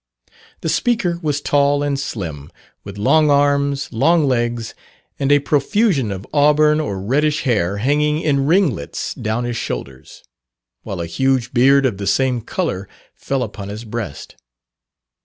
The speaker was tall and slim, with long arms, long legs, and a profusion of auburn or reddish hair hanging in ringlets down his shoulders; while a huge beard of the same colour fell upon his breast.